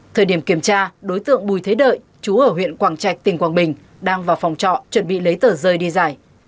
thời điểm kiểm tra đối tượng bùi thế đợi chú ở huyện quảng trạch tỉnh quảng bình đang vào phòng trọ chuẩn bị lấy tờ rơi đi giải